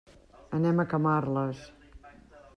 Anem a Camarles.